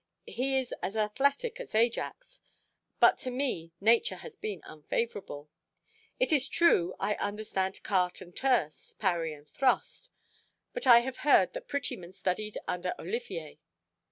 He is as athletic as Ajax, but to me nature has been unfavourable. It is true I understand cart and terce, parry and thrust, but I have heard that Prettyman studied under Olivier.